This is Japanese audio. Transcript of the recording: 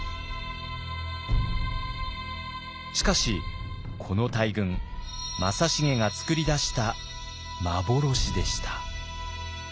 しかしこの大軍正成が作り出した幻でした。